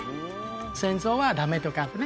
戦争はダメとかね